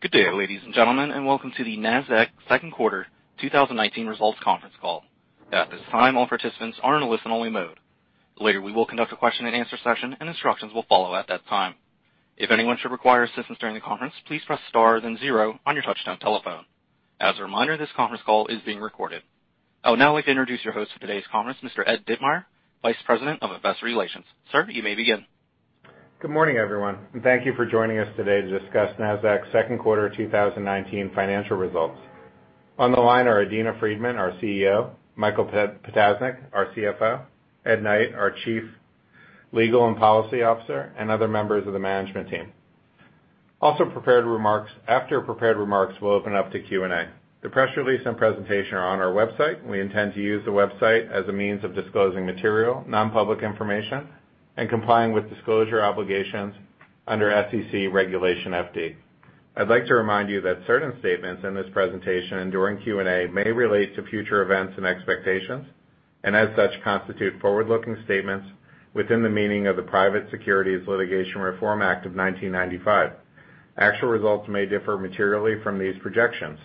Good day, ladies and gentlemen, and welcome to the Nasdaq second quarter 2019 results conference call. At this time, all participants are in a listen-only mode. Later, we will conduct a question and answer session, and instructions will follow at that time. If anyone should require assistance during the conference, please press star then zero on your touch-tone telephone. As a reminder, this conference call is being recorded. I would now like to introduce your host for today's conference, Mr. Ed Ditmire, Vice President, Investor Relations. Sir, you may begin. Good morning, everyone, and thank you for joining us today to discuss Nasdaq's second quarter 2019 financial results. On the line are Adena Friedman, our CEO; Michael Ptasznik, our CFO; Ed Knight, our Chief Legal and Policy Officer; and other members of the management team. After prepared remarks, we'll open up to Q&A. The press release and presentation are on our website. We intend to use the website as a means of disclosing material, non-public information, and complying with disclosure obligations under SEC Regulation FD. I'd like to remind you that certain statements in this presentation and during Q&A may relate to future events and expectations, and as such, constitute forward-looking statements within the meaning of the Private Securities Litigation Reform Act of 1995. Actual results may differ materially from these projections.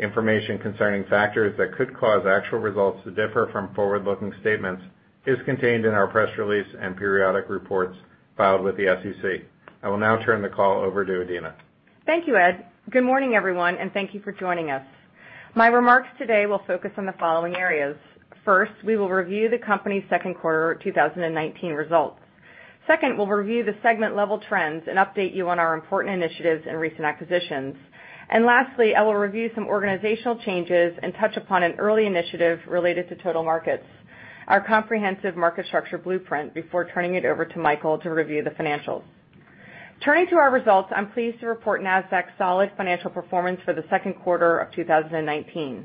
Information concerning factors that could cause actual results to differ from forward-looking statements is contained in our press release and periodic reports filed with the SEC. I will now turn the call over to Adena. Thank you, Ed. Good morning, everyone, and thank you for joining us. My remarks today will focus on the following areas. First, we will review the company's second quarter 2019 results. Second, we'll review the segment-level trends and update you on our important initiatives and recent acquisitions. Lastly, I will review some organizational changes and touch upon an early initiative related to TotalMarkets, our comprehensive market structure blueprint, before turning it over to Michael to review the financials. Turning to our results, I'm pleased to report Nasdaq's solid financial performance for the second quarter of 2019.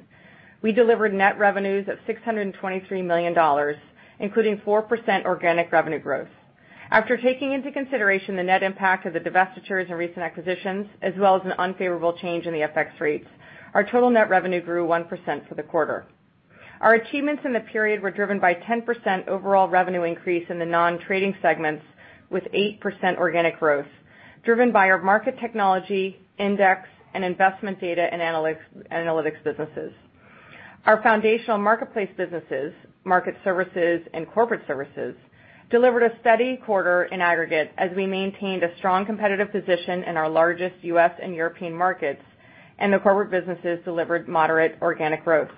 We delivered net revenues of $623 million, including 4% organic revenue growth. After taking into consideration the net impact of the divestitures and recent acquisitions, as well as an unfavorable change in the FX rates, our total net revenue grew 1% for the quarter. Our achievements in the period were driven by 10% overall revenue increase in the non-trading segments, with 8% organic growth, driven by our Market Technology, Index, and Investment Data, and Analytics businesses. Our foundational marketplace businesses, Market Services and Corporate Services, delivered a steady quarter in aggregate as we maintained a strong competitive position in our largest U.S. and European markets, and the corporate businesses delivered moderate organic growth.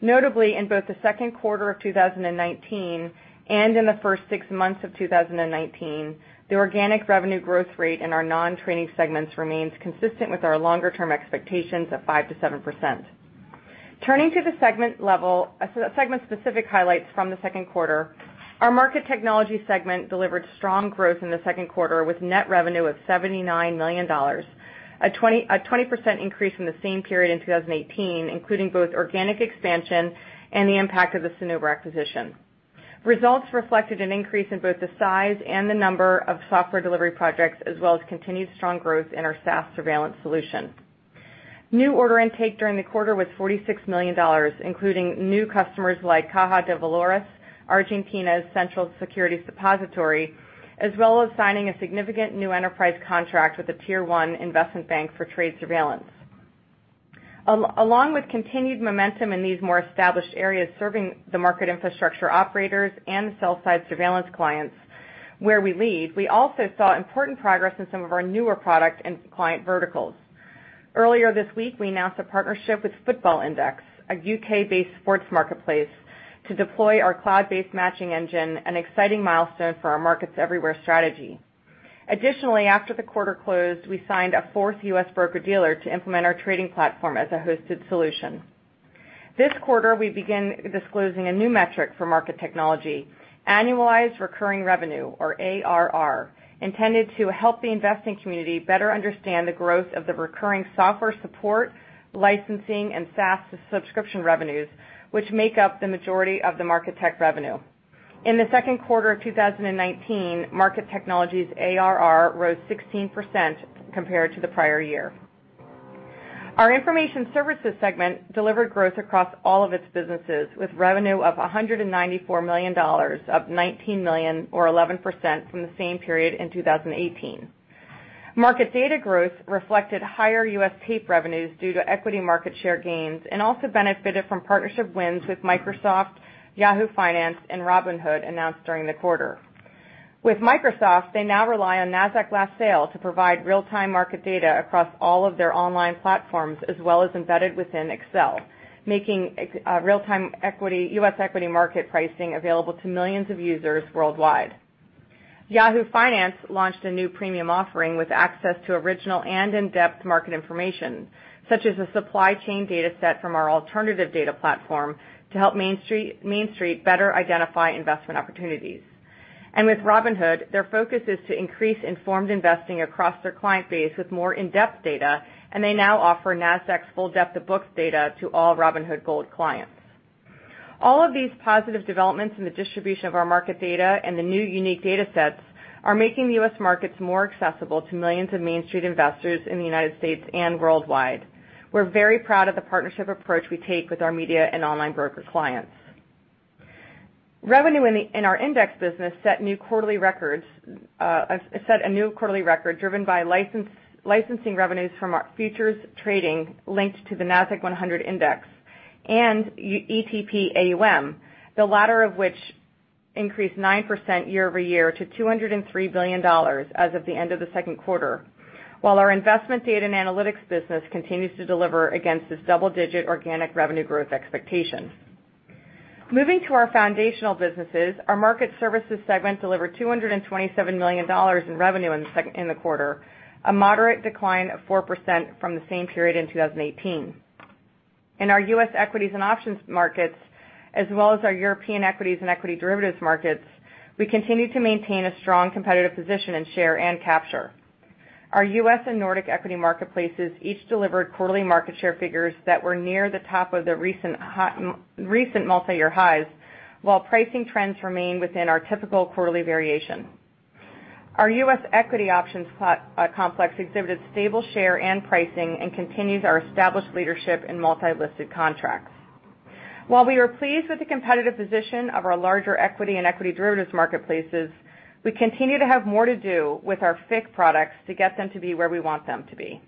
Notably, in both the second quarter of 2019 and in the first six months of 2019, the organic revenue growth rate in our non-trading segments remains consistent with our longer-term expectations of 5% to 7%. Turning to the segment-specific highlights from the second quarter, our Market Technology segment delivered strong growth in the second quarter, with net revenue of $79 million, a 20% increase from the same period in 2018, including both organic expansion and the impact of the Cinnober acquisition. Results reflected an increase in both the size and the number of software delivery projects, as well as continued strong growth in our SaaS surveillance solution. New order intake during the quarter was $46 million, including new customers like Caja de Valores, Argentina's central securities depository, as well as signing a significant new enterprise contract with a Tier 1 investment bank for trade surveillance. Along with continued momentum in these more established areas serving the market infrastructure operators and the sell side surveillance clients where we lead, we also saw important progress in some of our newer product and client verticals. Earlier this week, we announced a partnership with Football Index, a U.K.-based sports marketplace, to deploy our cloud-based matching engine, an exciting milestone for our Markets Everywhere Strategy. Additionally, after the quarter closed, we signed a fourth U.S. broker-dealer to implement our trading platform as a hosted solution. This quarter, we begin disclosing a new metric for Market Technology, annualized recurring revenue, or ARR, intended to help the investing community better understand the growth of the recurring software support, licensing, and SaaS subscription revenues, which make up the majority of the Market Tech revenue. In the second quarter of 2019, Market Technology's ARR rose 16% compared to the prior year. Our Information Services segment delivered growth across all of its businesses, with revenue of $194 million, up $19 million, or 11%, from the same period in 2018. Market data growth reflected higher U.S. tape revenues due to equity market share gains, and also benefited from partnership wins with Microsoft, Yahoo Finance, and Robinhood announced during the quarter. With Microsoft, they now rely on Nasdaq Last Sale to provide real-time market data across all of their online platforms, as well as embedded within Excel, making real-time U.S. equity market pricing available to millions of users worldwide. Yahoo Finance launched a new premium offering with access to original and in-depth market information, such as a supply chain data set from our alternative data platform to help Main Street better identify investment opportunities. With Robinhood, their focus is to increase informed investing across their client base with more in-depth data, and they now offer Nasdaq's full depth-of-book data to all Robinhood Gold clients. All of these positive developments in the distribution of our market data and the new unique data sets are making the U.S. markets more accessible to millions of Main Street investors in the United States and worldwide. We're very proud of the partnership approach we take with our media and online broker clients. Revenue in our index business set a new quarterly record driven by licensing revenues from our futures trading linked to the Nasdaq-100 index and ETP AUM, the latter of which increased 9% year-over-year to $203 billion as of the end of the second quarter. While our investment data and analytics business continues to deliver against this double-digit organic revenue growth expectation. Moving to our foundational businesses, our Market Services segment delivered $227 million in revenue in the quarter, a moderate decline of 4% from the same period in 2018. In our U.S. equities and options markets, as well as our European equities and equity derivatives markets, we continue to maintain a strong competitive position in share and capture. Our U.S. and Nordic equity marketplaces each delivered quarterly market share figures that were near the top of the recent multi-year highs, while pricing trends remain within our typical quarterly variation. Our U.S. equity options complex exhibited stable share and pricing and continues our established leadership in multi-listed contracts. While we are pleased with the competitive position of our larger equity and equity derivatives marketplaces, we continue to have more to do with our FICC products to get them to be where we want them to be.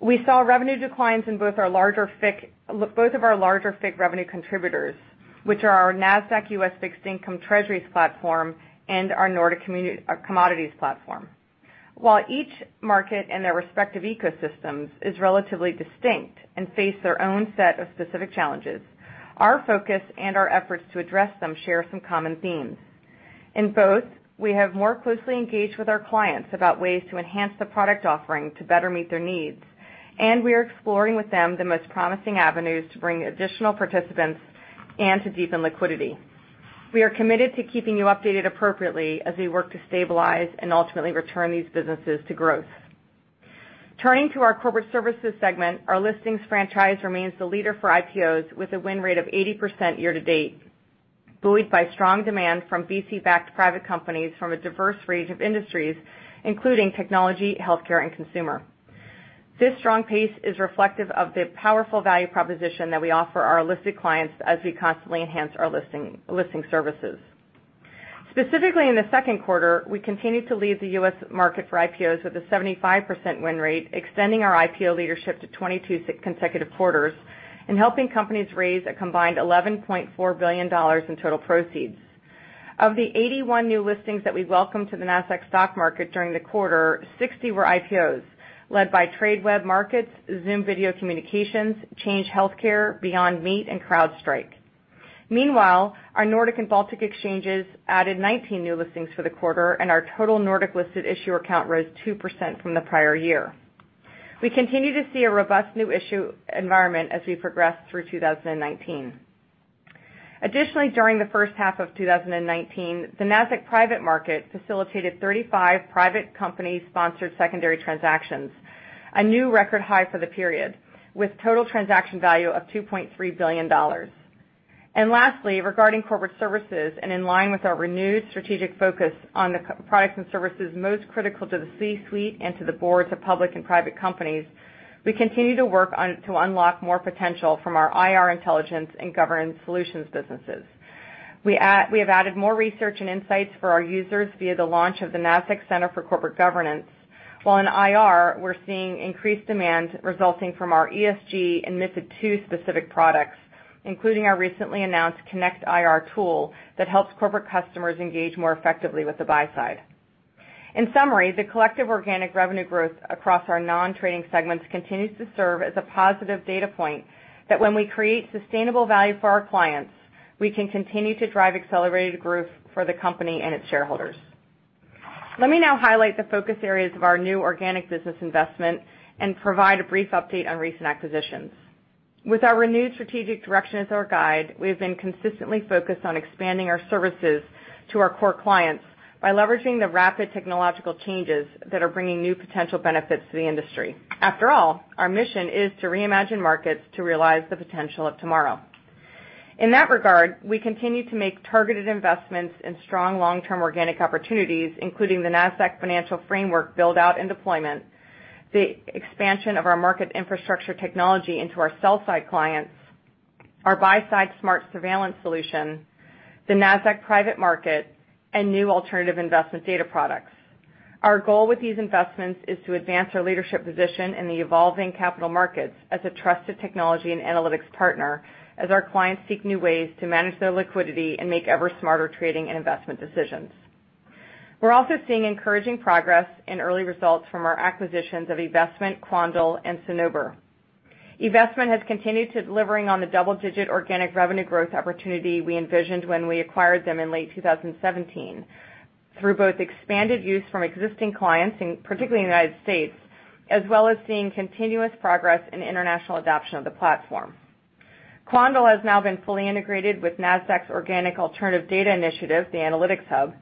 We saw revenue declines in both of our larger FICC revenue contributors, which are our Nasdaq U.S. Fixed Income Treasuries platform and our Nordic Commodities platform. While each market and their respective ecosystems is relatively distinct and face their own set of specific challenges, our focus and our efforts to address them share some common themes. In both, we have more closely engaged with our clients about ways to enhance the product offering to better meet their needs. We are exploring with them the most promising avenues to bring additional participants and to deepen liquidity. We are committed to keeping you updated appropriately as we work to stabilize and ultimately return these businesses to growth. Turning to our Corporate Services segment, our listings franchise remains the leader for IPOs with a win rate of 80% year to date, buoyed by strong demand from VC-backed private companies from a diverse range of industries, including technology, healthcare, and consumer. This strong pace is reflective of the powerful value proposition that we offer our listed clients as we constantly enhance our listing services. Specifically in the second quarter, we continued to lead the U.S. market for IPOs with a 75% win rate, extending our IPO leadership to 22 consecutive quarters and helping companies raise a combined $11.4 billion in total proceeds. Of the 81 new listings that we welcomed to the Nasdaq Stock Market during the quarter, 60 were IPOs led by Tradeweb Markets, Zoom Video Communications, Change Healthcare, Beyond Meat and CrowdStrike. Meanwhile, our Nordic and Baltic exchanges added 19 new listings for the quarter, and our total Nordic-listed issuer count rose 2% from the prior year. We continue to see a robust new issue environment as we progress through 2019. During the first half of 2019, the Nasdaq Private Market facilitated 35 private company-sponsored secondary transactions, a new record high for the period, with total transaction value of $2.3 billion. Lastly, regarding corporate services and in line with our renewed strategic focus on the products and services most critical to the C-suite and to the boards of public and private companies, we continue to work to unlock more potential from our IR intelligence and governance solutions businesses. We have added more research and insights for our users via the launch of the Nasdaq Center for Corporate Governance. While in IR, we're seeing increased demand resulting from our ESG and MiFID II specific products, including our recently announced ConnectIR tool that helps corporate customers engage more effectively with the buy side. In summary, the collective organic revenue growth across our non-trading segments continues to serve as a positive data point that when we create sustainable value for our clients, we can continue to drive accelerated growth for the company and its shareholders. Let me now highlight the focus areas of our new organic business investment and provide a brief update on recent acquisitions. With our renewed strategic direction as our guide, we have been consistently focused on expanding our services to our core clients by leveraging the rapid technological changes that are bringing new potential benefits to the industry. After all, our mission is to reimagine markets to realize the potential of tomorrow. In that regard, we continue to make targeted investment's in strong long-term organic opportunities, including the Nasdaq Financial Framework build-out and deployment, the expansion of our market infrastructure technology into our sell-side clients, our buy-side SMARTS surveillance solution, the Nasdaq Private Market, and new alternative investment data products. Our goal with these investment's is to advance our leadership position in the evolving capital markets as a trusted technology and analytics partner, as our clients seek new ways to manage their liquidity and make ever smarter trading and investment decisions. We're also seeing encouraging progress in early results from our acquisitions of eVestment, Quandl, and Cinnober. eVestment has continued to delivering on the double-digit organic revenue growth opportunity we envisioned when we acquired them in late 2017 through both expanded use from existing clients, particularly in the U.S., as well as seeing continuous progress in international adoption of the platform. Quandl has now been fully integrated with Nasdaq's organic alternative data initiative, the Analytics Hub,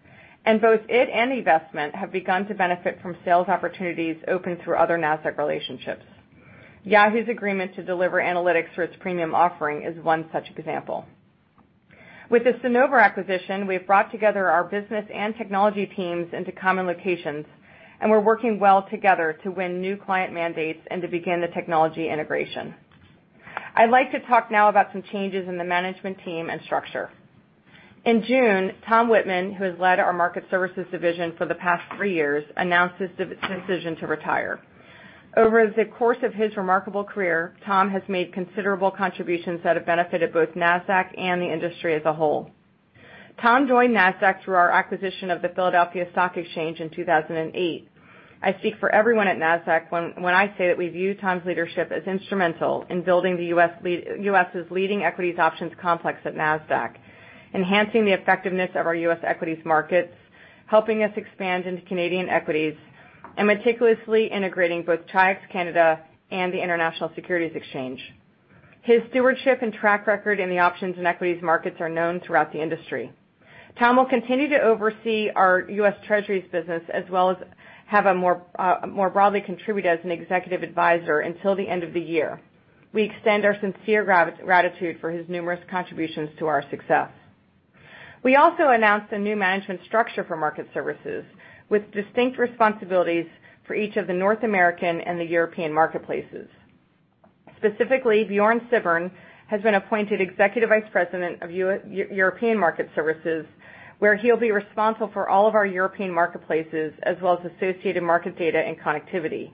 and both it and eVestment have begun to benefit from sales opportunities opened through other Nasdaq relationships. Yahoo's agreement to deliver analytics for its premium offering is one such example. With the Cinnober acquisition, we've brought together our business and technology teams into common locations, and we're working well together to win new client mandates and to begin the technology integration. I'd like to talk now about some changes in the management team and structure. In June, Tom Wittman, who has led our Market Services division for the past three years, announced his decision to retire. Over the course of his remarkable career, Tom has made considerable contributions that have benefited both Nasdaq and the industry as a whole. Tom joined Nasdaq through our acquisition of the Philadelphia Stock Exchange in 2008. I speak for everyone at Nasdaq when I say that we view Tom's leadership as instrumental in building the U.S.'s leading equities options complex at Nasdaq, enhancing the effectiveness of our U.S. equities markets, helping us expand into Canadian equities, and meticulously integrating both Chi-X Canada and the International Securities Exchange. His stewardship and track record in the options and equities markets are known throughout the industry. Tom will continue to oversee our US Treasuries business as well as more broadly contribute as an executive advisor until the end of the year. We extend our sincere gratitude for his numerous contributions to our success. We also announced a new management structure for Market Services, with distinct responsibilities for each of the North American and the European marketplaces. Specifically, Bjørn Sibbern has been appointed Executive Vice President of European Market Services, where he'll be responsible for all of our European marketplaces, as well as associated market data and connectivity.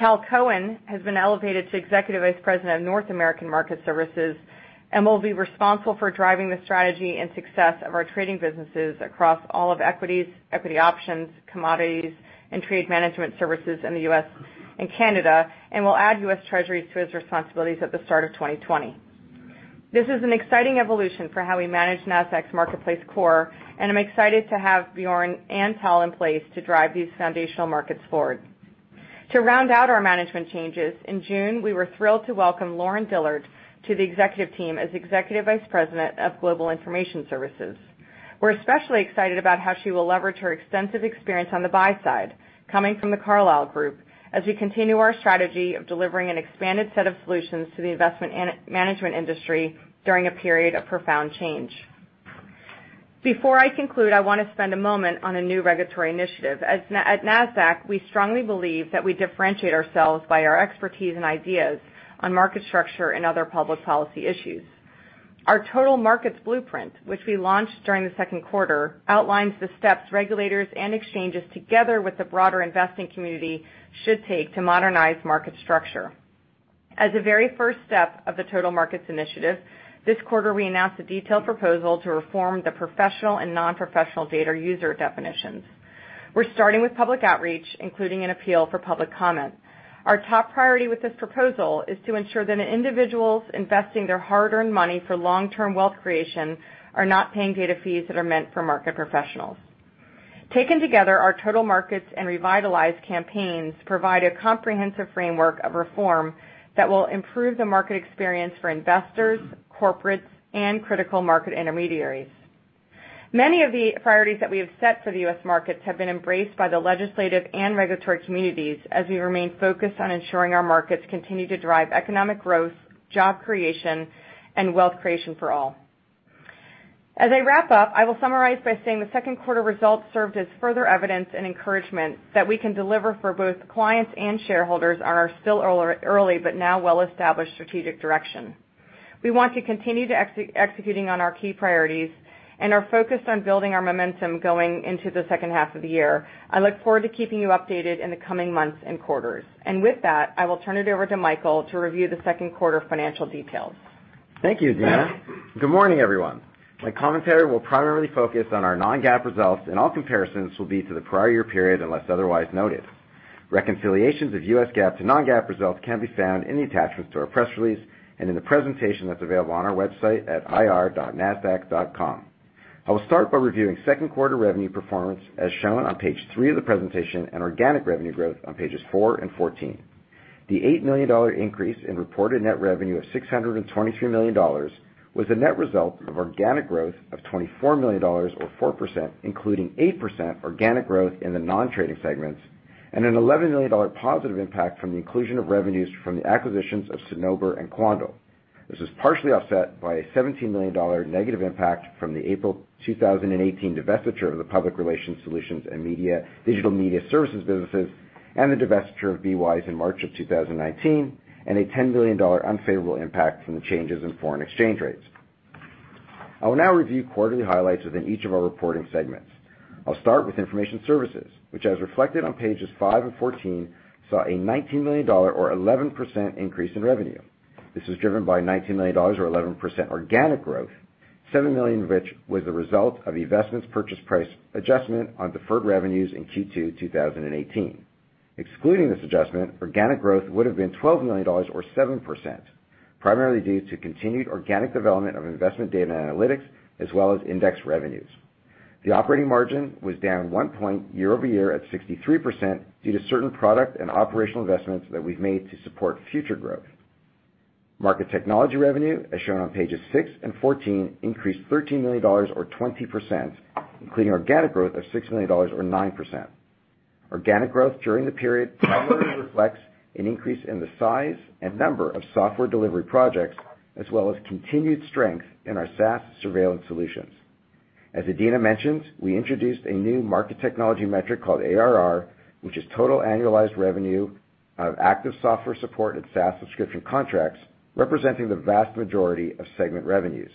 Tal Cohen has been elevated to Executive Vice President of North American Market Services and will be responsible for driving the strategy and success of our trading businesses across all of equities, equity options, commodities, and trade management services in the U.S. and Canada, and will add US Treasuries to his responsibilities at the start of 2020. This is an exciting evolution for how we manage Nasdaq's marketplace core, and I'm excited to have Bjørn and Tal in place to drive these foundational markets forward. To round out our management changes, in June, we were thrilled to welcome Lauren Dillard to the executive team as Executive Vice President of Global Information Services. We're especially excited about how she will leverage her extensive experience on the buy side, coming from the Carlyle Group, as we continue our strategy of delivering an expanded set of solutions to the investment management industry during a period of profound change. Before I conclude, I want to spend a moment on a new regulatory initiative. At Nasdaq, we strongly believe that we differentiate ourselves by our expertise and ideas on market structure and other public policy issues. Our TotalMarkets blueprint, which we launched during the second quarter, outlines the steps regulators and exchanges together with the broader investing community should take to modernize market structure. As a very first step of the TotalMarkets initiative, this quarter, we announced a detailed proposal to reform the professional and non-professional data user definitions. We're starting with public outreach, including an appeal for public comment. Our top priority with this proposal is to ensure that individuals investing their hard-earned money for long-term wealth creation are not paying data fees that are meant for market professionals. Taken together, our TotalMarkets and Revitalize campaigns provide a comprehensive framework of reform that will improve the market experience for investors, corporates, and critical market intermediaries. Many of the priorities that we have set for the U.S. markets have been embraced by the legislative and regulatory communities as we remain focused on ensuring our markets continue to drive economic growth, job creation, and wealth creation for all. As I wrap up, I will summarize by saying the second quarter results served as further evidence and encouragement that we can deliver for both clients and shareholders on our still early but now well-established strategic direction. We want to continue executing on our key priorities and are focused on building our momentum going into the second half of the year. I look forward to keeping you updated in the coming months and quarters. With that, I will turn it over to Michael to review the second quarter financial details. Thank you, Adena. Good morning, everyone. My commentary will primarily focus on our non-GAAP results, all comparisons will be to the prior year period unless otherwise noted. Reconciliations of US GAAP to non-GAAP results can be found in the attachments to our press release and in the presentation that's available on our website at ir.nasdaq.com. I will start by reviewing second quarter revenue performance as shown on page three of the presentation and organic revenue growth on pages four and 14. The $8 million increase in reported net revenue of $623 million was a net result of organic growth of $24 million or 4%, including 8% organic growth in the non-trading segments and an $11 million positive impact from the inclusion of revenues from the acquisitions of Cinnober and Quandl. This was partially offset by a $17 million negative impact from the April 2018 divestiture of the public relations solutions and digital media services businesses and the divestiture of BWise in March of 2019 and a $10 million unfavorable impact from the changes in foreign exchange rates. I will now review quarterly highlights within each of our reporting segments. I'll start with information services, which, as reflected on pages five and 14, saw a $19 million or 11% increase in revenue. This was driven by $19 million or 11% organic growth, $7 million which was the result of the eVestments purchase price adjustment on deferred revenues in Q2 2018. Excluding this adjustment, organic growth would have been $12 million or 7%, primarily due to continued organic development of investment data and analytics as well as index revenues. The operating margin was down one point year-over-year at 63% due to certain product and operational investments that we've made to support future growth. Market Technology revenue, as shown on pages six and 14, increased $13 million or 20%, including organic growth of $6 million or 9%. Organic growth during the period primarily reflects an increase in the size and number of software delivery projects, as well as continued strength in our SaaS surveillance solutions. As Adena mentioned, we introduced a new Market Technology metric called ARR, which is total annualized revenue out of active software support and SaaS subscription contracts, representing the vast majority of segment revenues.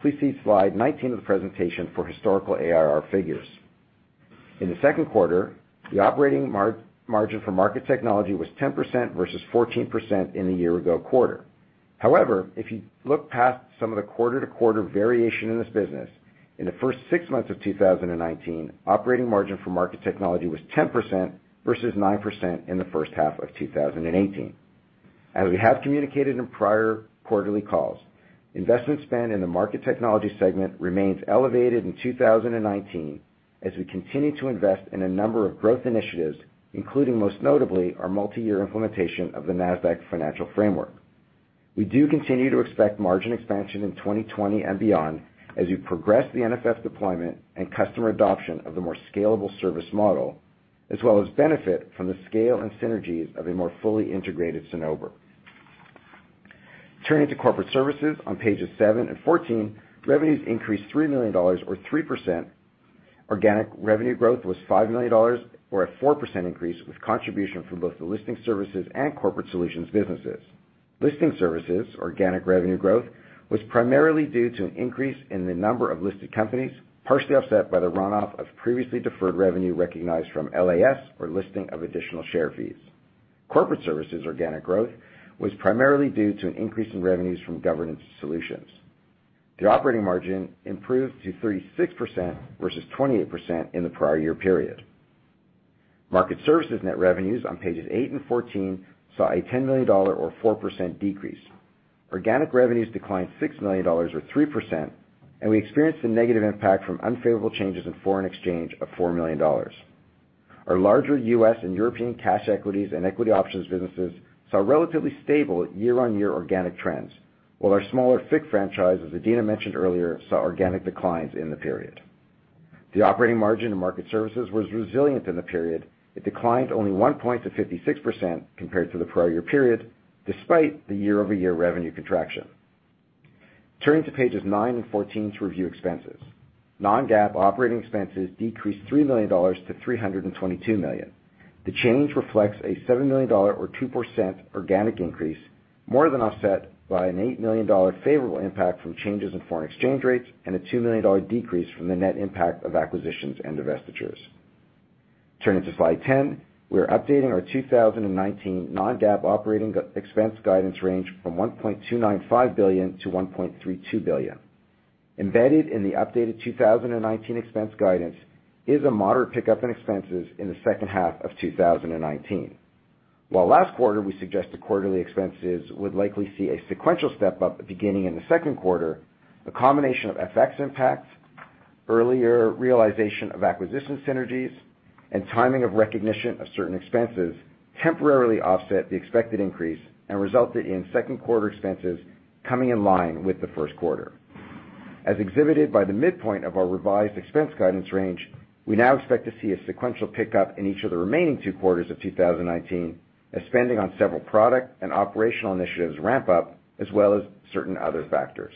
Please see slide 19 of the presentation for historical ARR figures. In the second quarter, the operating margin for Market Technology was 10% versus 14% in the year-ago quarter. However, if you look past some of the quarter-to-quarter variation in this business, in the first six months of 2019, operating margin for market technology was 10% versus 9% in the first half of 2018. As we have communicated in prior quarterly calls, investment spend in the market technology segment remains elevated in 2019 as we continue to invest in a number of growth initiatives, including, most notably, our multi-year implementation of the Nasdaq Financial Framework. We do continue to expect margin expansion in 2020 and beyond as we progress the NFF deployment and customer adoption of the more scalable service model, as well as benefit from the scale and synergies of a more fully integrated Cinnober. Turning to corporate services on pages seven and 14, revenues increased $3 million or 3%. Organic revenue growth was $5 million or a 4% increase, with contribution from both the listing services and corporate solutions businesses. Listing services organic revenue growth was primarily due to an increase in the number of listed companies, partially offset by the runoff of previously deferred revenue recognized from LAS or Listing of Additional Shares fees. Corporate services organic growth was primarily due to an increase in revenues from governance solutions. The operating margin improved to 36% versus 28% in the prior year period. Market Services net revenues on pages eight and 14 saw a $10 million or 4% decrease. Organic revenues declined $6 million or 3%, we experienced a negative impact from unfavorable changes in foreign exchange of $4 million. Our larger U.S. and European cash equities and equity options businesses saw relatively stable year-on-year organic trends, while our smaller FICC franchise, as Adena mentioned earlier, saw organic declines in the period. The operating margin in market services was resilient in the period. It declined only 1 point to 56% compared to the prior year period, despite the year-over-year revenue contraction. Turning to pages nine and 14 to review expenses. Non-GAAP operating expenses decreased $3 million to $322 million. The change reflects a $7 million or 2% organic increase, more than offset by an $8 million favorable impact from changes in foreign exchange rates and a $2 million decrease from the net impact of acquisitions and divestitures. Turning to slide 10, we are updating our 2019 non-GAAP operating expense guidance range from $1.295 billion to $1.32 billion. Embedded in the updated 2019 expense guidance is a moderate pickup in expenses in the second half of 2019. Last quarter we suggested quarterly expenses would likely see a sequential step-up beginning in the second quarter, the combination of FX impacts, earlier realization of acquisition synergies, and timing of recognition of certain expenses temporarily offset the expected increase and resulted in second quarter expenses coming in line with the first quarter. As exhibited by the midpoint of our revised expense guidance range, we now expect to see a sequential pickup in each of the remaining two quarters of 2019 as spending on several product and operational initiatives ramp up, as well as certain other factors.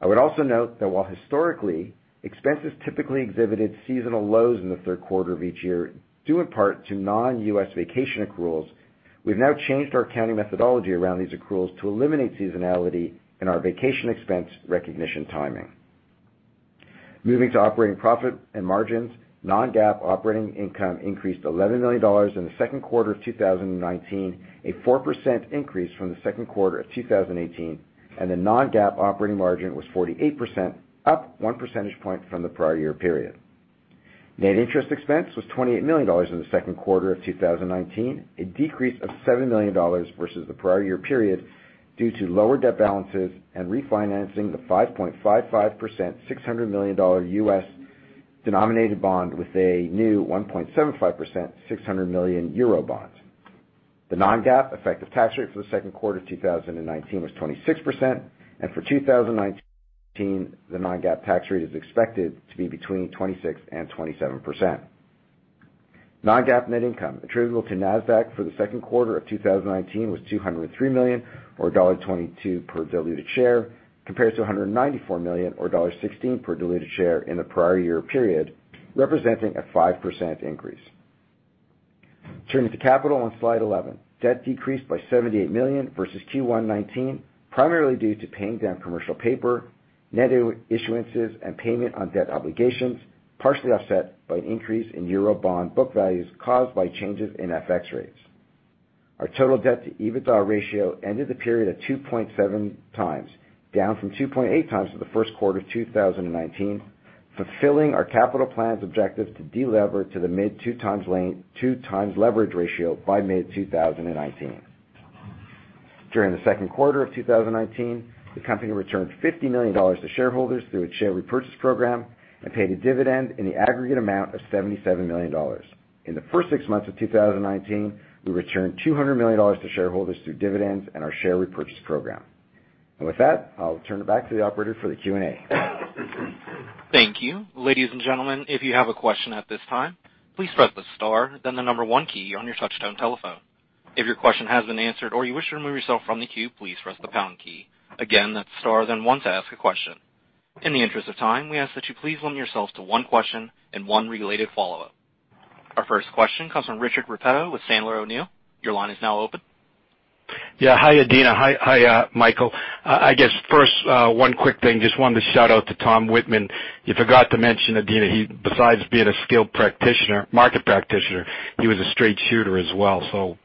I would also note that while historically, expenses typically exhibited seasonal lows in the third quarter of each year, due in part to non-U.S. vacation accruals, we've now changed our accounting methodology around these accruals to eliminate seasonality in our vacation expense recognition timing. Moving to operating profit and margins, non-GAAP operating income increased $11 million in the second quarter of 2019, a 4% increase from the second quarter of 2018, and the non-GAAP operating margin was 48%, up one percentage point from the prior year period. Net interest expense was $28 million in the second quarter of 2019, a decrease of $7 million versus the prior year period due to lower debt balances and refinancing the 5.55% $600 million U.S.-denominated bond with a new 1.75% 600 million euro bond. The non-GAAP effective tax rate for the second quarter 2019 was 26%, and for 2019, the non-GAAP tax rate is expected to be between 26% and 27%. Non-GAAP net income attributable to Nasdaq for the second quarter of 2019 was $203 million, or $1.22 per diluted share, compared to $194 million or $1.16 per diluted share in the prior year period, representing a 5% increase. Turning to capital on slide 11. Debt decreased by $78 million versus Q1 2019, primarily due to paying down commercial paper, net issuances, and payment on debt obligations, partially offset by an increase in euro bond book values caused by changes in FX rates. Our total debt-to-EBITDA ratio ended the period at 2.7x, down from 2.8x in the first quarter of 2019, fulfilling our capital plan's objective to delever to the mid 2x leverage ratio by mid-2019. During the second quarter of 2019, the company returned $50 million to shareholders through its share repurchase program and paid a dividend in the aggregate amount of $77 million. In the first six months of 2019, we returned $200 million to shareholders through dividends and our share repurchase program. With that, I'll turn it back to the operator for the Q&A. Thank you. Ladies and gentlemen, if you have a question at this time, please press the star then the number one key on your touch-tone telephone. If your question has been answered or you wish to remove yourself from the queue, please press the pound key. Again, that's star then one to ask a question. In the interest of time, we ask that you please limit yourselves to one question and one related follow-up. Our first question comes from Richard Repetto with Sandler O'Neill. Your line is now open. Yeah. Hi, Adena. Hi, Michael. I guess first, one quick thing. Just wanted to shout out to Tom Wittman. You forgot to mention, Adena, besides being a skilled practitioner, market practitioner, he was a straight shooter as well.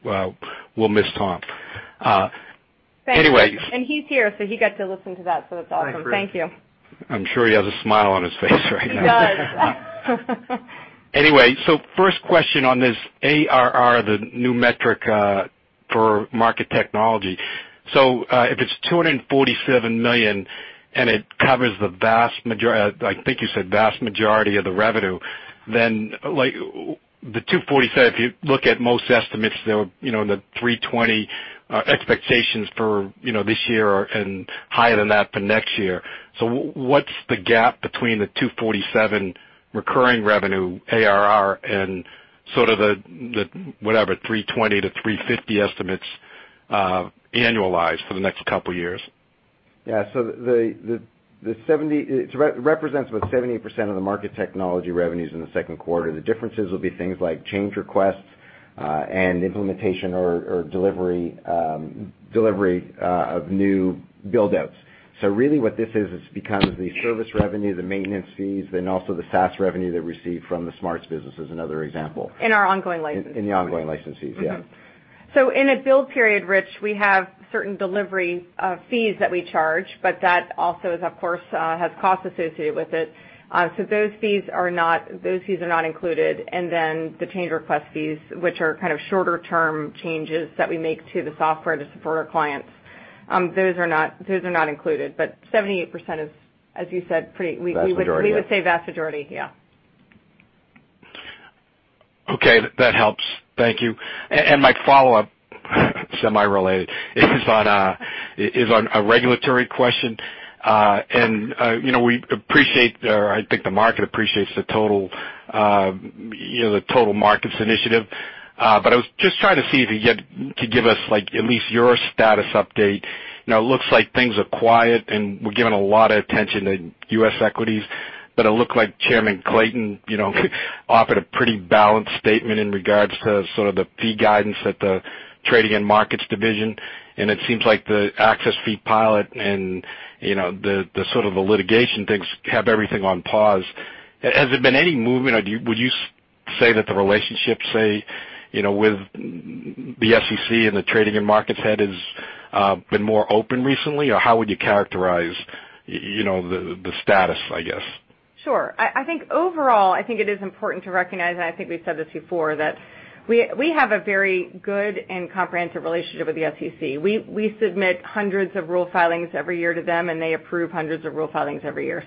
We'll miss Tom. Thanks. He's here, so he got to listen to that, so that's awesome. Thank you. I'm sure he has a smile on his face right now. He does. Anyway, first question on this ARR, the new metric, for Market Technology. If it's $247 million and it covers the vast majority, I think you said vast majority of the revenue, then the $247, if you look at most estimates, they're in the $320 expectations for this year and higher than that for next year. What's the gap between the $247 recurring revenue ARR and sort of the, whatever, $320-$350 estimates, annualized for the next couple of years? It represents about 78% of the Market Technology revenues in the second quarter. The differences will be things like change requests, and implementation or delivery of new build-outs. Really what this is, it's become the service revenue, the maintenance fees, and also the SaaS revenue that we receive from the SMARTS business is another example. In our ongoing licenses. In the ongoing licenses, yeah. In a build period, Rich, we have certain delivery fees that we charge, but that also, of course, has costs associated with it. Those fees are not included, the change request fees, which are kind of shorter-term changes that we make to the software to support our clients. Those are not included, 78% is, as you said, pretty. Vast majority, yeah. We would say vast majority, yeah. Okay. That helps. Thank you. My follow-up, semi-related, is on a regulatory question. We appreciate, or I think the market appreciates the TotalMarkets initiative. I was just trying to see if you could give us at least your status update. It looks like things are quiet, and we're giving a lot of attention to U.S. equities, but it looked like Chairman Clayton offered a pretty balanced statement in regards to sort of the fee guidance that the Trading and Markets division, and it seems like the access fee pilot and the sort of the litigation things have everything on pause. Has there been any movement, or would you say that the relationship, say, with the SEC and the Trading and Markets head has been more open recently, or how would you characterize the status, I guess? Sure. I think overall, I think it is important to recognize, and I think we've said this before, that we have a very good and comprehensive relationship with the SEC. We submit hundreds of rule filings every year to them. They approve hundreds of rule filings every year.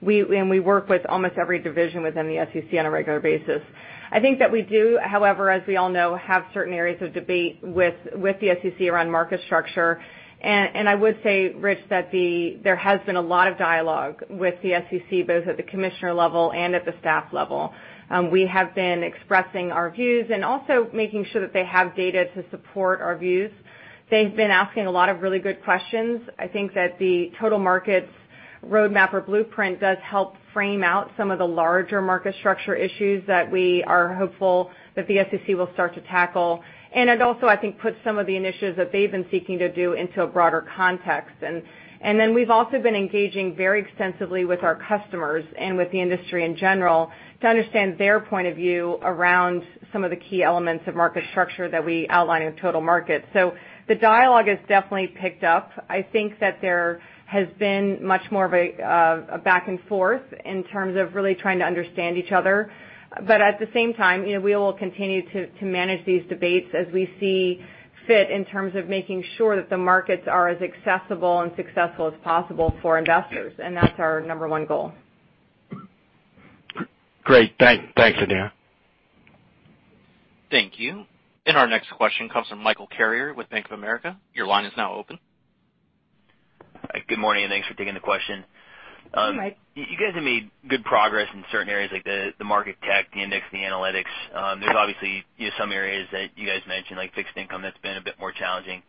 We work with almost every division within the SEC on a regular basis. I think that we do, however, as we all know, have certain areas of debate with the SEC around market structure. I would say, Rich, that there has been a lot of dialogue with the SEC, both at the commissioner level and at the staff level. We have been expressing our views and also making sure that they have data to support our views. They've been asking a lot of really good questions. I think that the TotalMarkets roadmap or blueprint does help frame out some of the larger market structure issues that we are hopeful that the SEC will start to tackle. It also, I think, puts some of the initiatives that they've been seeking to do into a broader context. We've also been engaging very extensively with our customers and with the industry in general to understand their point of view around some of the key elements of market structure that we outline in TotalMarkets. The dialogue has definitely picked up. I think that there has been much more of a back and forth in terms of really trying to understand each other. At the same time, we will continue to manage these debates as we see fit in terms of making sure that the markets are as accessible and successful as possible for investors, and that's our number one goal. Great. Thanks, Adena. Thank you. Our next question comes from Michael Carrier with Bank of America. Your line is now open. Hi, good morning. Thanks for taking the question. Hi, Mike. You guys have made good progress in certain areas like the market tech, the index, the analytics. There's obviously some areas that you guys mentioned, like fixed income, that's been a bit more challenging.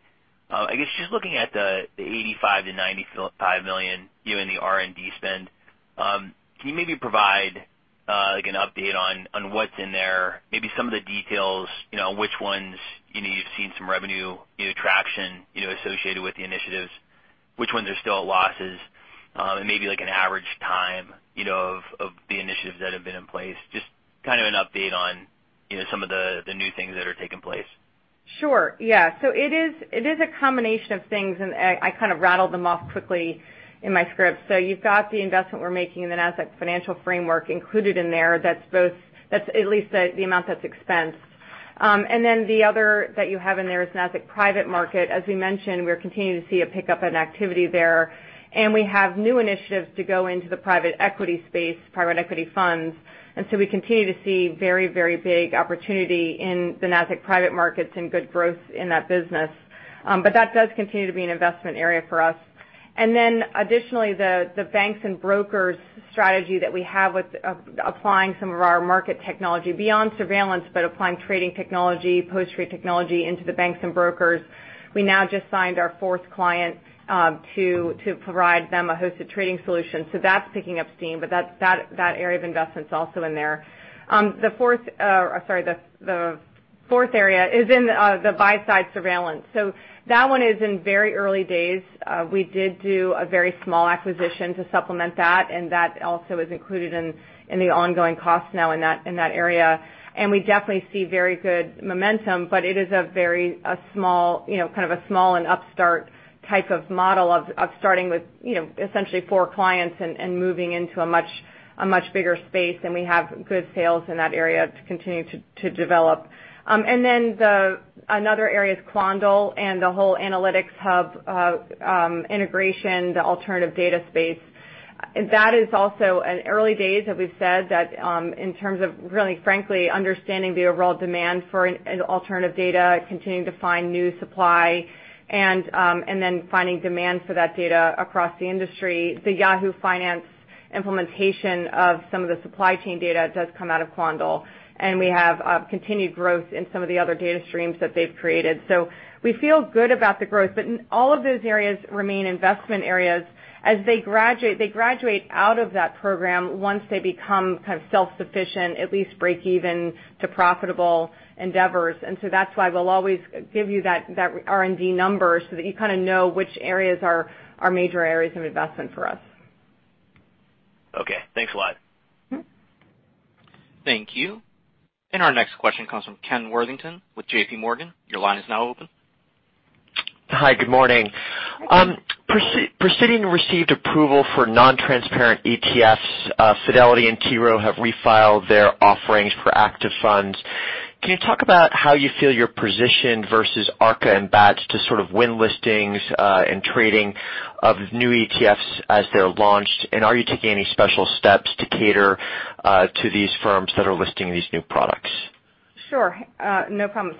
I guess just looking at the $85 million-$95 million in the R&D spend, can you maybe provide an update on what's in there, maybe some of the details, which ones you've seen some revenue traction associated with the initiatives, which ones are still at a loss, and maybe an average time of the initiatives that have been in place? Just kind of an update on some of the new things that are taking place. Sure. Yeah. It is a combination of things, and I kind of rattled them off quickly in my script. You've got the investment we're making in the Nasdaq Financial Framework included in there. That's at least the amount that's expensed. The other that you have in there is Nasdaq Private Market. As we mentioned, we're continuing to see a pickup in activity there. We have new initiatives to go into the private equity space, private equity funds. We continue to see very, very big opportunity in the Nasdaq Private Market and good growth in that business. That does continue to be an investment area for us. Additionally, the banks and brokers strategy that we have with applying some of our market technology beyond surveillance, but applying trading technology, post-trade technology into the banks and brokers. We now just signed our fourth client to provide them a hosted trading solution. That's picking up steam, but that area of investment is also in there. The fourth area is in the buy side surveillance. That one is in very early days. We did do a very small acquisition to supplement that, and that also is included in the ongoing costs now in that area. We definitely see very good momentum, but it is kind of a small and upstart type of model of starting with essentially four clients and moving into a much bigger space. We have good sales in that area to continue to develop. Another area is Quandl and the whole Analytics Hub integration, the alternative data space. That is also in early days, as we've said, that in terms of really, frankly, understanding the overall demand for alternative data, continuing to find new supply, and then finding demand for that data across the industry. The Yahoo Finance implementation of some of the supply chain data does come out of Quandl, and we have continued growth in some of the other data streams that they've created. We feel good about the growth, but all of those areas remain investment areas. As they graduate, they graduate out of that program once they become kind of self-sufficient, at least break even to profitable endeavors. That's why we'll always give you that R&D number so that you kind of know which areas are major areas of investment for us. Okay. Thanks a lot. Thank you. Our next question comes from Ken Worthington with JPMorgan. Your line is now open. Hi, good morning. Hi. Precidian received approval for non-transparent ETFs. Fidelity and T. Rowe have refiled their offerings for active funds. Can you talk about how you feel you're positioned versus Arca and Bats to sort of win listings and trading of new ETFs as they're launched? Are you taking any special steps to cater to these firms that are listing these new products? Sure, no problem.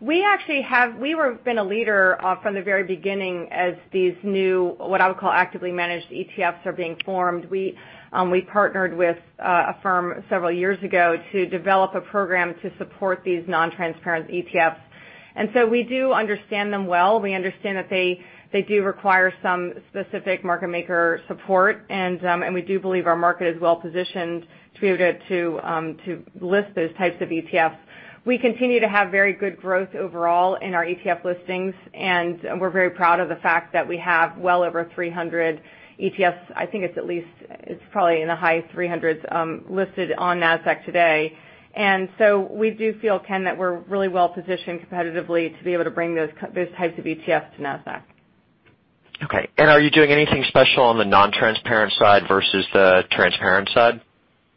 We have been a leader from the very beginning as these new, what I would call actively managed ETFs are being formed. We partnered with a firm several years ago to develop a program to support these non-transparent ETFs. We do understand them well. We understand that they do require some specific market maker support. We do believe our market is well positioned to be able to list those types of ETFs. We continue to have very good growth overall in our ETF listings, and we're very proud of the fact that we have well over 300 ETFs. I think it's probably in the high 300s listed on Nasdaq today. We do feel, Ken, that we're really well positioned competitively to be able to bring those types of ETFs to Nasdaq. Okay. Are you doing anything special on the non-transparent side versus the transparent side?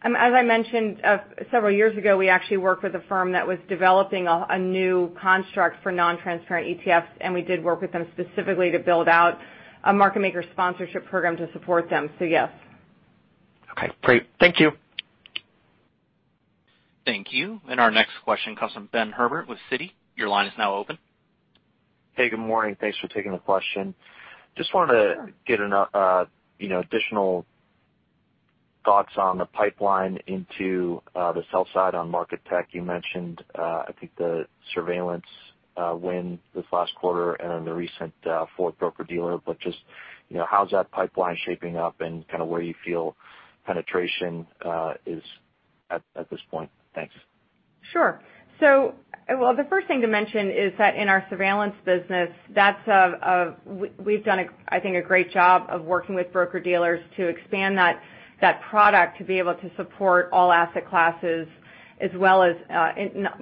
As I mentioned, several years ago, we actually worked with a firm that was developing a new construct for non-transparent ETFs, and we did work with them specifically to build out a market maker sponsorship program to support them. Yes. Okay, great. Thank you. Thank you. Our next question comes from Ben Herbert with Citi. Your line is now open. Hey, good morning. Thanks for taking the question. Just wanted to get additional thoughts on the pipeline into the sell-side on Market Tech. You mentioned I think the surveillance win this last quarter and then the recent fourth broker-dealer, but just how's that pipeline shaping up and kind of where you feel penetration is at this point? Thanks. Sure. The first thing to mention is that in our surveillance business, we've done, I think, a great job of working with broker-dealers to expand that product to be able to support all asset classes as well as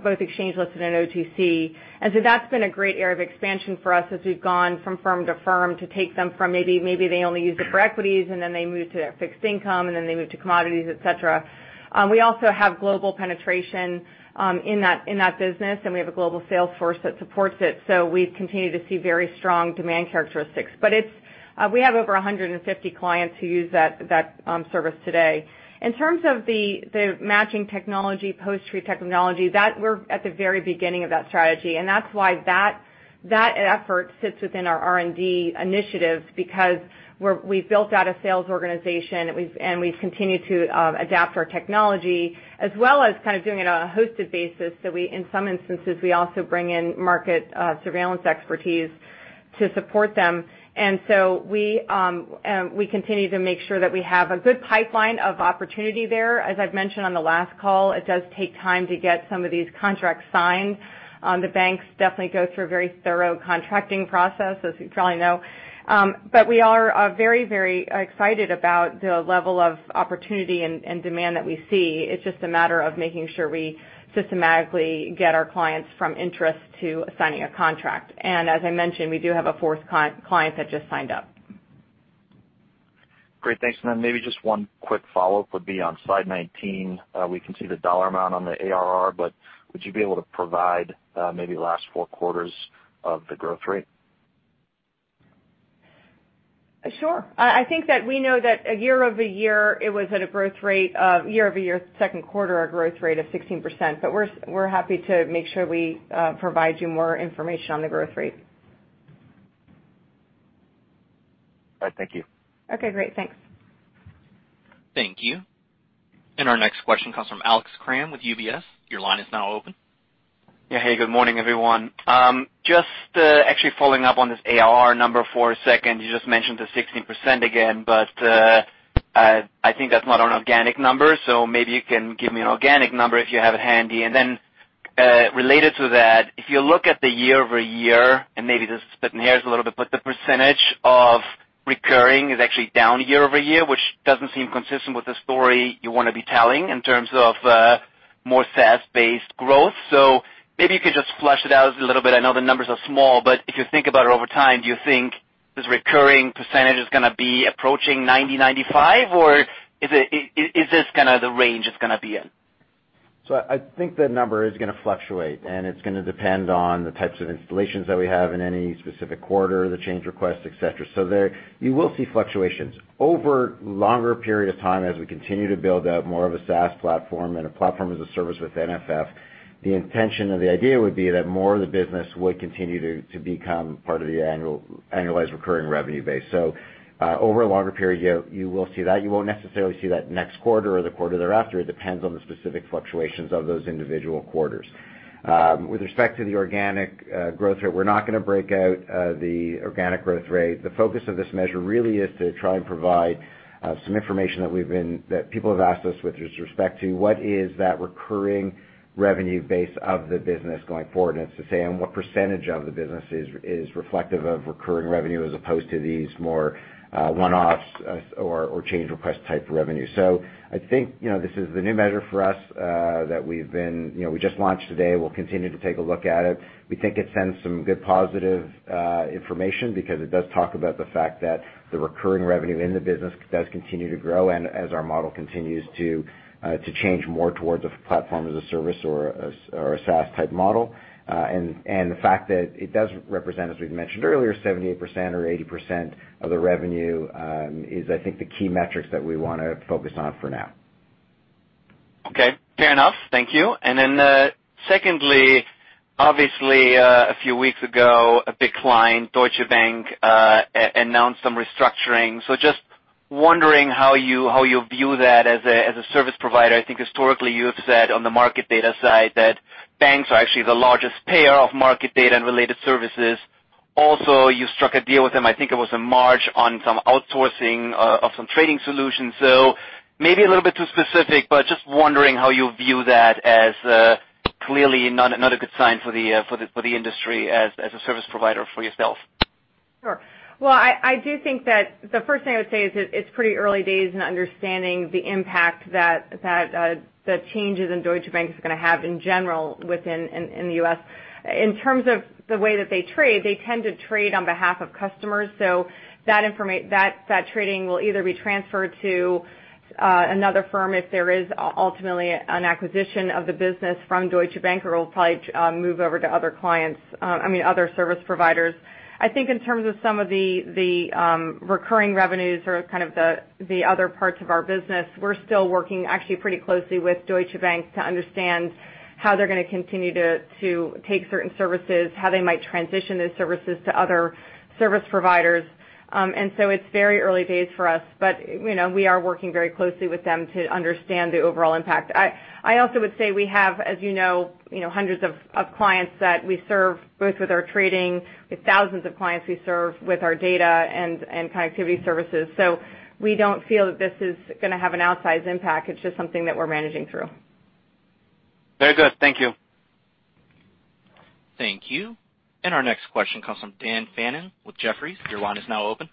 both exchange listed and OTC. That's been a great area of expansion for us as we've gone from firm to firm to take them from maybe they only used it for equities, and then they moved to fixed income, and then they moved to commodities, et cetera. We also have global penetration in that business, and we have a global sales force that supports it. We continue to see very strong demand characteristics. We have over 150 clients who use that service today. In terms of the matching technology, post-trade technology, we're at the very beginning of that strategy, that's why that effort sits within our R&D initiatives because we've built out a sales organization, and we've continued to adapt our technology as well as kind of doing it on a hosted basis. In some instances, we also bring in market surveillance expertise to support them. We continue to make sure that we have a good pipeline of opportunity there. As I've mentioned on the last call, it does take time to get some of these contracts signed. The banks definitely go through a very thorough contracting process, as you probably know. We are very, very excited about the level of opportunity and demand that we see. It's just a matter of making sure we systematically get our clients from interest to signing a contract. As I mentioned, we do have a fourth client that just signed up. Great. Thanks. Maybe just one quick follow-up would be on slide 19. We can see the dollar amount on the ARR, would you be able to provide maybe the last four quarters of the growth rate? Sure. Year-over-year second quarter, our growth rate of 16%, we're happy to make sure we provide you more information on the growth rate. All right. Thank you. Okay, great. Thanks. Thank you. Our next question comes from Alex Kramm with UBS. Your line is now open. Yeah. Hey, good morning, everyone. Just actually following up on this ARR number for a second. You just mentioned the 16% again. I think that's not an organic number. Maybe you can give me an organic number if you have it handy. Related to that, if you look at the year-over-year, maybe this is splitting hairs a little bit, the percentage of recurring is actually down year-over-year, which doesn't seem consistent with the story you want to be telling in terms of more SaaS-based growth. Maybe you could just flesh it out a little bit. I know the numbers are small. If you think about it over time, do you think this recurring percentage is going to be approaching 90%, 95%? Is this kind of the range it's going to be in? I think the number is going to fluctuate, and it's going to depend on the types of installations that we have in any specific quarter, the change requests, et cetera. You will see fluctuations. Over a longer period of time, as we continue to build out more of a SaaS platform and a platform as a service with NFF, the intention or the idea would be that more of the business would continue to become part of the annualized recurring revenue base. Over a longer period, you will see that. You won't necessarily see that next quarter or the quarter thereafter. It depends on the specific fluctuations of those individual quarters. With respect to the organic growth rate, we're not going to break out the organic growth rate. The focus of this measure really is to try and provide some information that people have asked us, with respect to what is that recurring revenue base of the business going forward, and it's to say, and what percentage of the business is reflective of recurring revenue as opposed to these more one-offs or change request type revenue. I think this is the new measure for us that we just launched today. We'll continue to take a look at it. We think it sends some good positive information because it does talk about the fact that the recurring revenue in the business does continue to grow, and as our model continues to change more towards a platform as a service or a SaaS type model. The fact that it does represent, as we've mentioned earlier, 78% or 80% of the revenue is, I think, the key metrics that we want to focus on for now. Okay. Fair enough. Thank you. Secondly, obviously, a few weeks ago, a big client, Deutsche Bank, announced some restructuring. Just wondering how you view that as a service provider. I think historically, you have said on the market data side that banks are actually the largest payer of market data and related services. Also, you struck a deal with them, I think it was in March, on some outsourcing of some trading solutions. Maybe a little bit too specific, but just wondering how you view that as clearly not a good sign for the industry as a service provider for yourself. Sure. Well, I do think that the first thing I would say is it's pretty early days in understanding the impact that the changes in Deutsche Bank is going to have in general within the U.S. In terms of the way that they trade, they tend to trade on behalf of customers, so that trading will either be transferred to another firm if there is ultimately an acquisition of the business from Deutsche Bank, or it'll probably move over to other service providers. I think in terms of some of the recurring revenues or kind of the other parts of our business, we're still working actually pretty closely with Deutsche Bank to understand how they're going to continue to take certain services, how they might transition those services to other service providers. It's very early days for us. We are working very closely with them to understand the overall impact. I also would say we have, as you know, hundreds of clients that we serve, both with our trading, with thousands of clients we serve with our data and connectivity services. We don't feel that this is going to have an outsized impact. It's just something that we're managing through. Very good. Thank you. Thank you. Our next question comes from Dan Fannon with Jefferies. Your line is now open.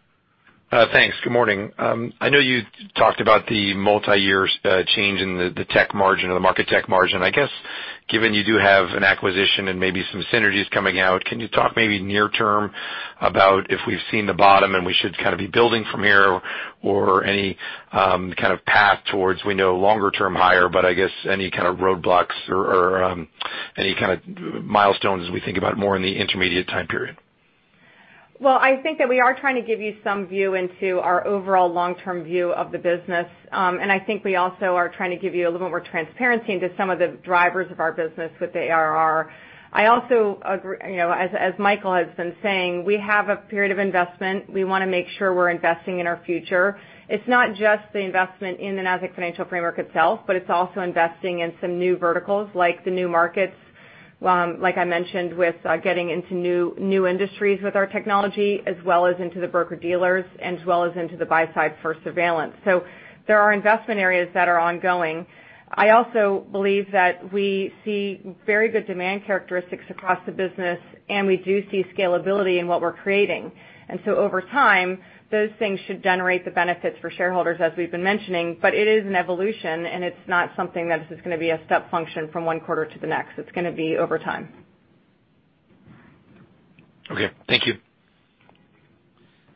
Thanks. Good morning. I know you talked about the multiyear change in the tech margin or the market tech margin. I guess, given you do have an acquisition and maybe some synergies coming out, can you talk maybe near term about if we've seen the bottom and we should kind of be building from here or any kind of path towards, we know longer term higher, but I guess any kind of roadblocks or any kind of milestones as we think about more in the intermediate time period? Well, I think that we are trying to give you some view into our overall long-term view of the business. I think we also are trying to give you a little bit more transparency into some of the drivers of our business with ARR. As Michael has been saying, we have a period of investment. We want to make sure we're investing in our future. It's not just the investment in the Nasdaq Financial Framework itself, but it's also investing in some new verticals like the new markets, like I mentioned, with getting into new industries with our technology, as well as into the broker-dealers, and as well as into the buy side for surveillance. There are investment areas that are ongoing. I also believe that we see very good demand characteristics across the business, and we do see scalability in what we're creating. Over time, those things should generate the benefits for shareholders, as we've been mentioning. It is an evolution, and it's not something that is just going to be a step function from one quarter to the next. It's going to be over time. Okay. Thank you.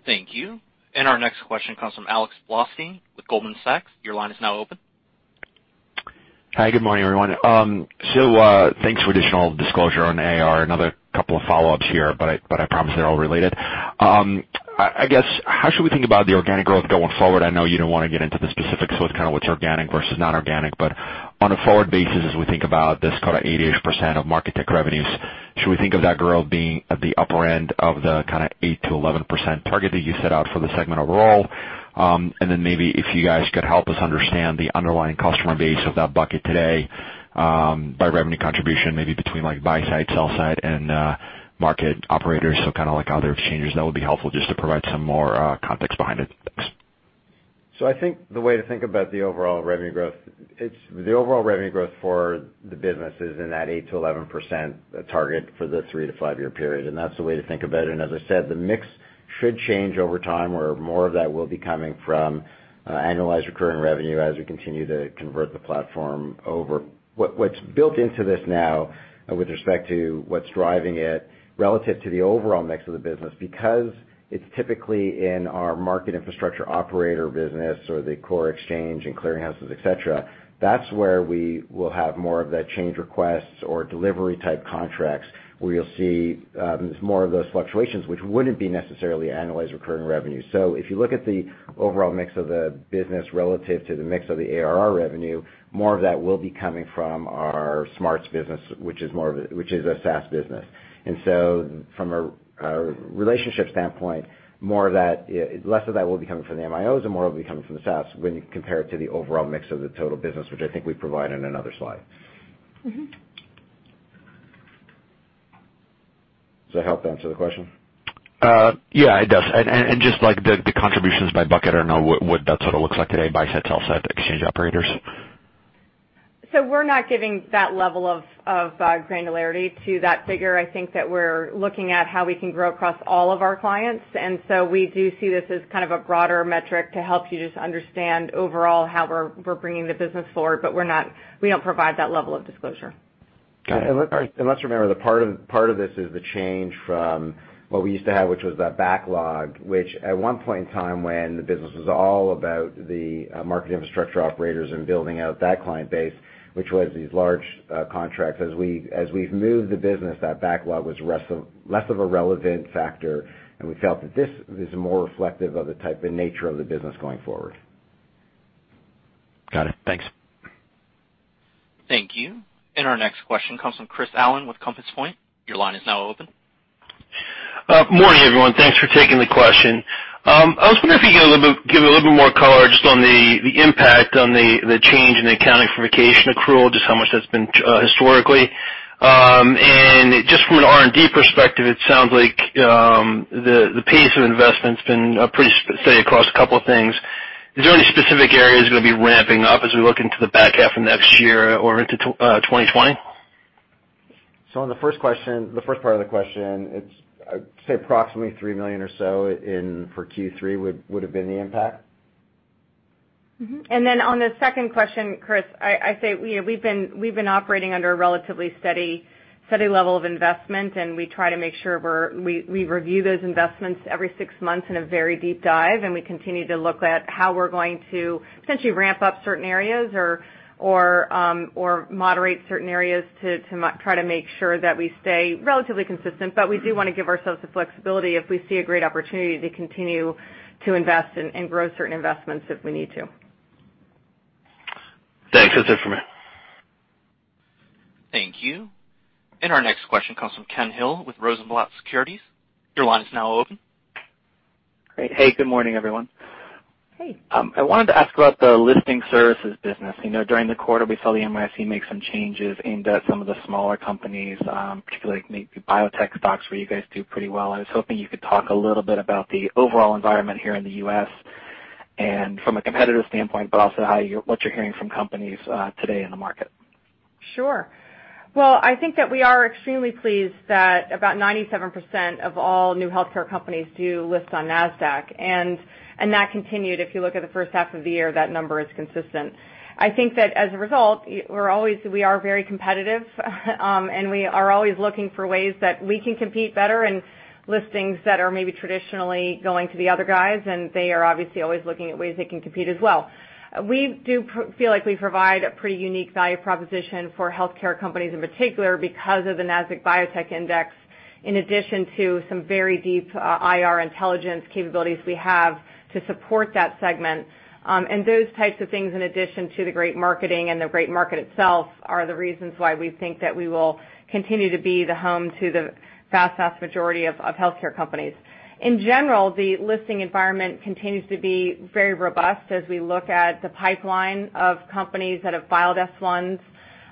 Thank you. Our next question comes from Alex Blostein with Goldman Sachs. Your line is now open. Hi, good morning, everyone. Thanks for additional disclosure on ARR. Another couple of follow-ups here. I promise they're all related. How should we think about the organic growth going forward? I know you don't want to get into the specifics with what's organic versus non-organic, but on a forward basis, as we think about this kind of 88% of Market Technology revenues, should we think of that growth being at the upper end of the kind of 8%-11% target that you set out for the segment overall? Maybe if you guys could help us understand the underlying customer base of that bucket today, by revenue contribution, maybe between buy-side, sell-side, and market operators, so kind of like other exchanges. That would be helpful just to provide some more context behind it. Thanks. I think the way to think about the overall revenue growth, it's the overall revenue growth for the business is in that 8%-11% target for the three to five-year period, and that's the way to think about it. As I said, the mix should change over time, where more of that will be coming from annualized recurring revenue as we continue to convert the platform over. What's built into this now with respect to what's driving it relative to the overall mix of the business, because it's typically in our Market Infrastructure Operator business or the core exchange and clearing houses, et cetera, that's where we will have more of the change requests or delivery type contracts where you'll see more of those fluctuations, which wouldn't be necessarily annualized recurring revenue. If you look at the overall mix of the business relative to the mix of the ARR revenue, more of that will be coming from our SMARTS business, which is a SaaS business. From a relationship standpoint, less of that will be coming from the MIOs and more will be coming from the SaaS when you compare it to the overall mix of the total business, which I think we provide on another slide. Does that help answer the question? Yeah, it does. Just like the contributions by bucket or no, what that sort of looks like today, buy-side, sell-side, the exchange operators? We're not giving that level of granularity to that figure. I think that we're looking at how we can grow across all of our clients. We do see this as kind of a broader metric to help you just understand overall how we're bringing the business forward. We don't provide that level of disclosure. Let's remember, part of this is the change from what we used to have, which was that backlog, which at one point in time when the business was all about the Market Infrastructure Operators and building out that client base, which was these large contracts. As we've moved the business, that backlog was less of a relevant factor, and we felt that this is more reflective of the type and nature of the business going forward. Got it. Thanks. Thank you. Our next question comes from Chris Allen with Compass Point. Your line is now open. Morning, everyone. Thanks for taking the question. I was wondering if you could give a little bit more color just on the impact on the change in accounting for vacation accrual, just how much that's been historically. Just from an R&D perspective, it sounds like the pace of investment's been pretty steady across a couple of things. Is there any specific areas you're going to be ramping up as we look into the back half of next year or into 2020? On the first part of the question, I'd say approximately $3 million or so for Q3 would've been the impact. On the second question, Chris, I say we've been operating under a relatively steady level of investment. We try to make sure we review those investments every six months in a very deep dive. We continue to look at how we're going to essentially ramp up certain areas or moderate certain areas to try to make sure that we stay relatively consistent. We do want to give ourselves the flexibility if we see a great opportunity to continue to invest and grow certain investments if we need to. Thanks. That's it for me. Thank you. Our next question comes from Ken Hill with Rosenblatt Securities. Your line is now open. Great. Hey, good morning, everyone. Hey. I wanted to ask about the listing services business. During the quarter, we saw the NYSE make some changes aimed at some of the smaller companies, particularly maybe biotech stocks where you guys do pretty well. I was hoping you could talk a little bit about the overall environment here in the U.S. and from a competitive standpoint, but also what you're hearing from companies today in the market. Sure. Well, I think that we are extremely pleased that about 97% of all new healthcare companies do list on Nasdaq, and that continued. If you look at the first half of the year, that number is consistent. I think that as a result, we are very competitive and we are always looking for ways that we can compete better in listings that are maybe traditionally going to the other guys, and they are obviously always looking at ways they can compete as well. We do feel like we provide a pretty unique value proposition for healthcare companies in particular because of the Nasdaq Biotechnology Index, in addition to some very deep IR intelligence capabilities we have to support that segment. Those types of things, in addition to the great marketing and the great market itself, are the reasons why we think that we will continue to be the home to the vast majority of healthcare companies. In general, the listing environment continues to be very robust as we look at the pipeline of companies that have filed S-1s,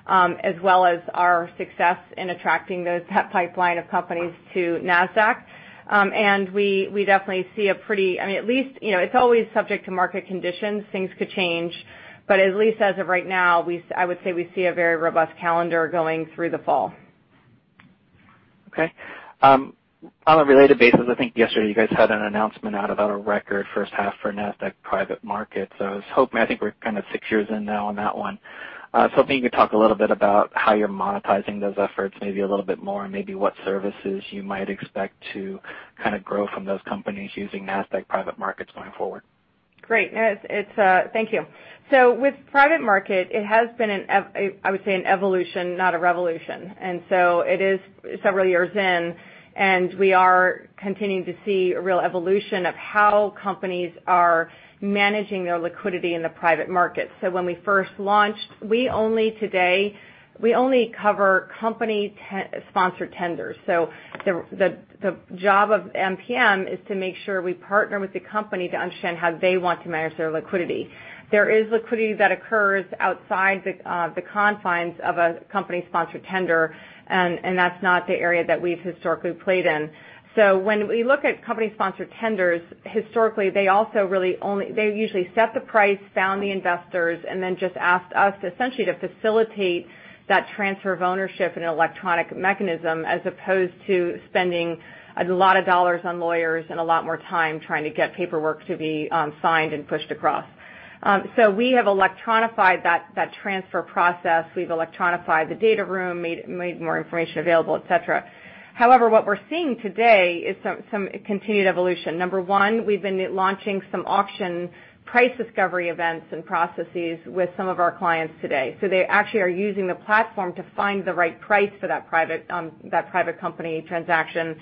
as well as our success in attracting that pipeline of companies to Nasdaq. It's always subject to market conditions. Things could change, but at least as of right now, I would say we see a very robust calendar going through the fall. Okay. On a related basis, I think yesterday you guys had an announcement out about a record first half for Nasdaq Private Market. I think we're kind of six years in now on that one. I was hoping you could talk a little bit about how you're monetizing those efforts, maybe a little bit more, and maybe what services you might expect to kind of grow from those companies using Nasdaq Private Market going forward. Great. Thank you. With Private Market, it has been, I would say, an evolution, not a revolution. It is several years in, and we are continuing to see a real evolution of how companies are managing their liquidity in the private market. When we first launched, we only cover company-sponsored tenders. The job of NPM is to make sure we partner with the company to understand how they want to manage their liquidity. There is liquidity that occurs outside the confines of a company-sponsored tender, and that's not the area that we've historically played in. When we look at company-sponsored tenders, historically, they usually set the price, found the investors, and then just asked us essentially to facilitate that transfer of ownership in an electronic mechanism, as opposed to spending a lot of dollars on lawyers and a lot more time trying to get paperwork to be signed and pushed across. We have electronified that transfer process. We've electronified the data room, made more information available, et cetera. However, what we're seeing today is some continued evolution. Number one, we've been launching some auction price discovery events and processes with some of our clients today. They actually are using the platform to find the right price for that private company transaction.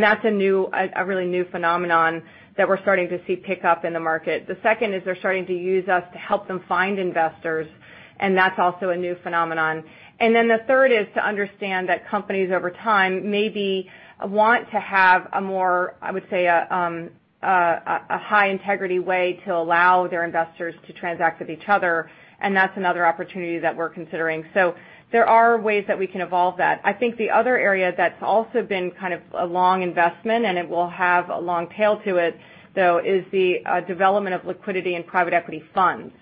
That's a really new phenomenon that we're starting to see pick up in the market. The second is they're starting to use us to help them find investors, and that's also a new phenomenon. The third is to understand that companies over time maybe want to have a more, I would say, a high-integrity way to allow their investors to transact with each other. That's another opportunity that we're considering. There are ways that we can evolve that. I think the other area that's also been kind of a long investment, and it will have a long tail to it, though, is the development of liquidity in private equity funds.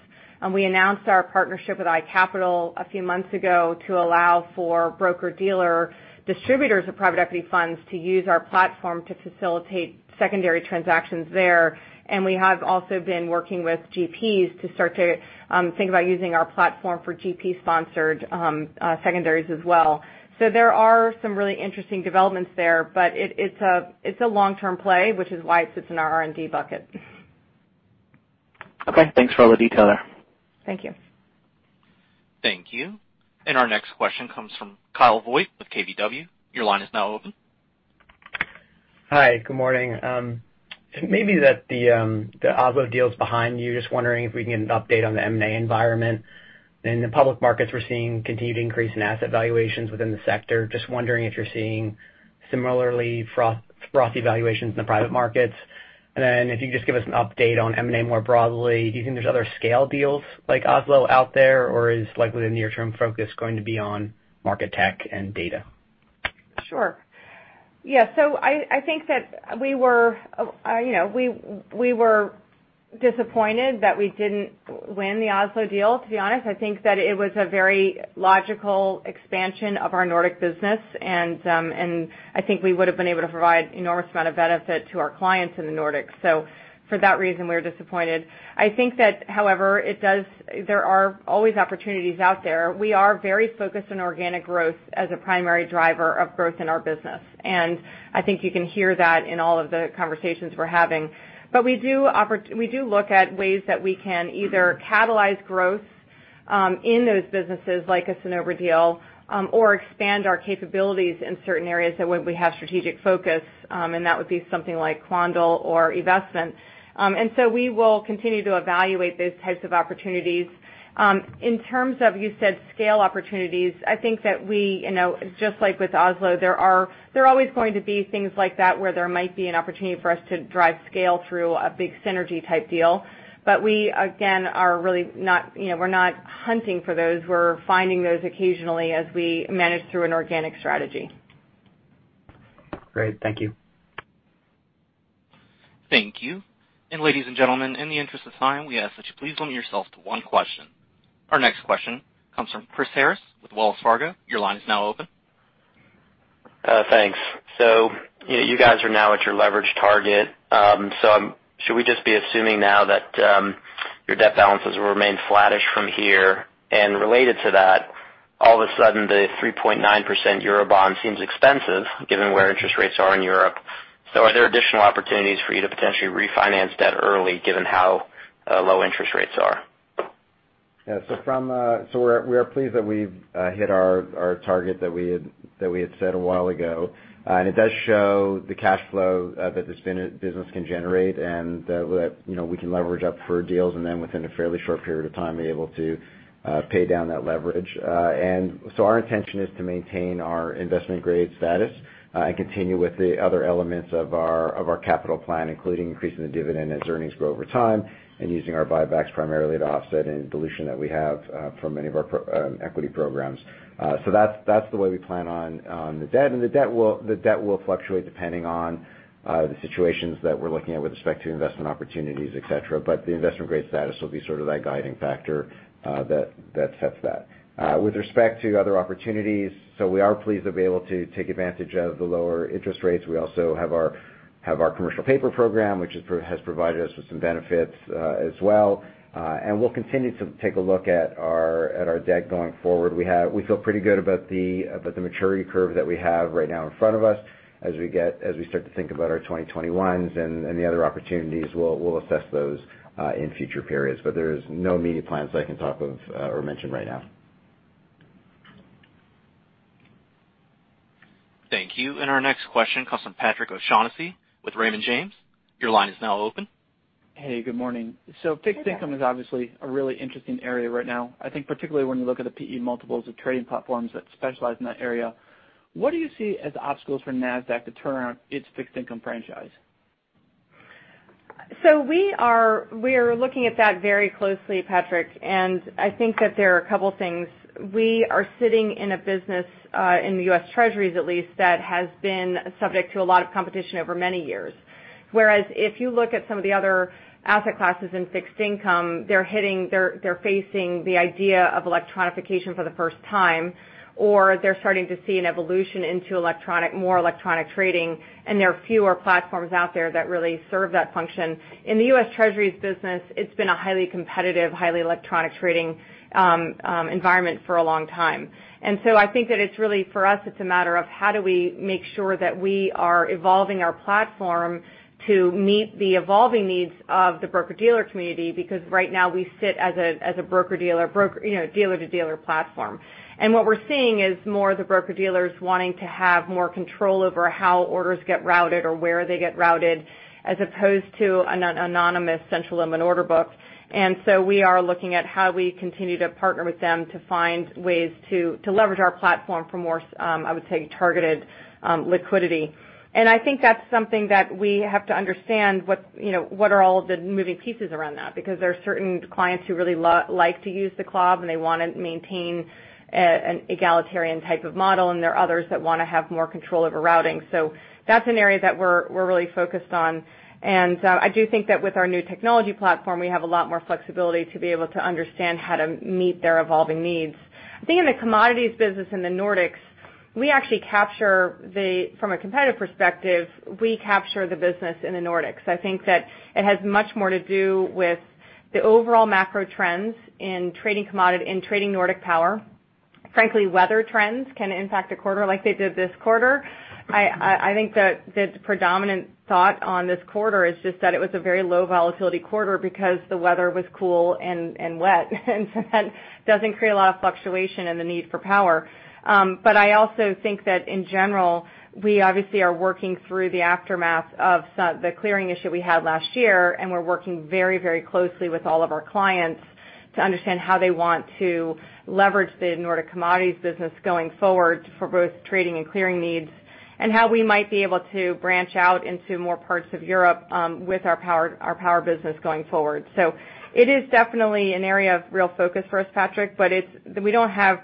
We announced our partnership with iCapital a few months ago to allow for broker-dealer distributors of private equity funds to use our platform to facilitate secondary transactions there. We have also been working with GPs to start to think about using our platform for GP-sponsored secondaries as well. There are some really interesting developments there. It's a long-term play, which is why it sits in our R&D bucket. Okay. Thanks for all the detail there. Thank you. Thank you. Our next question comes from Kyle Voigt with KBW. Your line is now open. Hi. Good morning. Maybe the Oslo deal's behind you. Just wondering if we can get an update on the M&A environment. In the public markets, we're seeing continued increase in asset valuations within the sector. Just wondering if you're seeing similarly frothy valuations in the private markets. If you could just give us an update on M&A more broadly. Do you think there's other scale deals like Oslo out there, or is likely the near-term focus going to be on market tech and data? Sure. Yeah. I think that we were disappointed that we didn't win the Oslo deal, to be honest. I think that it was a very logical expansion of our Nordic business, and I think we would've been able to provide enormous amount of benefit to our clients in the Nordics. For that reason, we were disappointed. I think that however, there are always opportunities out there. We are very focused on organic growth as a primary driver of growth in our business. I think you can hear that in all of the conversations we're having. We do look at ways that we can either catalyze growth in those businesses, like a Cinnober deal, or expand our capabilities in certain areas that we have strategic focus, and that would be something like Quandl or eVestment. We will continue to evaluate those types of opportunities. In terms of, you said scale opportunities, I think that we, just like with Oslo, there are always going to be things like that where there might be an opportunity for us to drive scale through a big synergy type deal. We, again, we're not hunting for those. We're finding those occasionally as we manage through an organic strategy. Great. Thank you. Thank you. Ladies and gentlemen, in the interest of time, we ask that you please limit yourself to one question. Our next question comes from Chris Harris with Wells Fargo. Your line is now open. Thanks. You guys are now at your leverage target. Should we just be assuming now that your debt balances will remain flattish from here? Related to that, all of a sudden, the 3.9% Euro bond seems expensive given where interest rates are in Europe. Are there additional opportunities for you to potentially refinance debt early given how low interest rates are? Yeah. We are pleased that we've hit our target that we had set a while ago. It does show the cash flow that this business can generate and that we can leverage up for deals and then within a fairly short period of time, be able to pay down that leverage. Our intention is to maintain our investment-grade status, and continue with the other elements of our capital plan, including increasing the dividend as earnings grow over time and using our buybacks primarily to offset any dilution that we have from many of our equity programs. That's the way we plan on the debt. The debt will fluctuate depending on the situations that we're looking at with respect to investment opportunities, et cetera. The investment-grade status will be sort of that guiding factor that sets that. With respect to other opportunities, we are pleased to be able to take advantage of the lower interest rates. We also have our commercial paper program, which has provided us with some benefits as well. We'll continue to take a look at our debt going forward. We feel pretty good about the maturity curve that we have right now in front of us. As we start to think about our 2021s and the other opportunities, we'll assess those in future periods. There's no immediate plans I can talk of or mention right now. Thank you. Our next question comes from Patrick O'Shaughnessy with Raymond James. Your line is now open. Hey, good morning. Fixed income is obviously a really interesting area right now. I think particularly when you look at the PE multiples of trading platforms that specialize in that area. What do you see as obstacles for Nasdaq to turn around its fixed income franchise? We are looking at that very closely, Patrick, and I think that there are a couple of things. If you look at some of the other asset classes in fixed income, they're facing the idea of electronification for the first time, or they're starting to see an evolution into more electronic trading, and there are fewer platforms out there that really serve that function. In the US Treasuries business, it's been a highly competitive, highly electronic trading environment for a long time. I think that it's really, for us, it's a matter of how do we make sure that we are evolving our platform to meet the evolving needs of the broker-dealer community because right now we sit as a broker-dealer, dealer to dealer platform. What we're seeing is more of the broker-dealers wanting to have more control over how orders get routed or where they get routed, as opposed to an anonymous central limit order book. We are looking at how we continue to partner with them to find ways to leverage our platform for more, I would say, targeted liquidity. I think that's something that we have to understand what are all of the moving pieces around that, because there are certain clients who really like to use the CLOB, and they want to maintain an egalitarian type of model, and there are others that want to have more control over routing. That's an area that we're really focused on. I do think that with our new technology platform, we have a lot more flexibility to be able to understand how to meet their evolving needs. I think in the commodities business in the Nordics, from a competitive perspective, we capture the business in the Nordics. I think that it has much more to do with the overall macro trends in trading Nordic Power. Frankly, weather trends can impact a quarter like they did this quarter. I think that the predominant thought on this quarter is just that it was a very low volatility quarter because the weather was cool and wet and so that doesn't create a lot of fluctuation in the need for power. I also think that in general, we obviously are working through the aftermath of the clearing issue we had last year, and we're working very closely with all of our clients to understand how they want to leverage the Nordic commodities business going forward for both trading and clearing needs, and how we might be able to branch out into more parts of Europe with our power business going forward. It is definitely an area of real focus for us, Patrick, but we don't have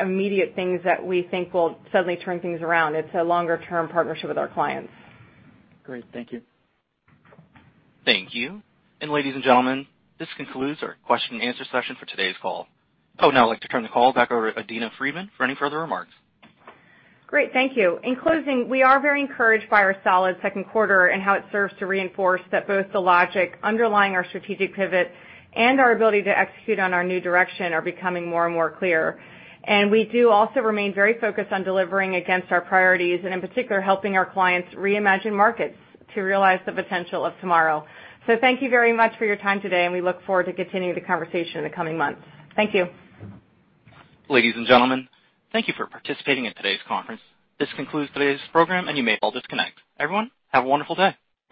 immediate things that we think will suddenly turn things around. It's a longer-term partnership with our clients. Great. Thank you. Thank you. Ladies and gentlemen, this concludes our question and answer session for today's call. I would now like to turn the call back over to Adena Friedman for any further remarks. Great. Thank you. In closing, we are very encouraged by our solid second quarter and how it serves to reinforce that both the logic underlying our strategic pivot and our ability to execute on our new direction are becoming more and more clear. We do also remain very focused on delivering against our priorities and, in particular, helping our clients reimagine markets to realize the potential of tomorrow. Thank you very much for your time today, and we look forward to continuing the conversation in the coming months. Thank you. Ladies and gentlemen, thank you for participating in today's conference. This concludes today's program. You may all disconnect. Everyone, have a wonderful day.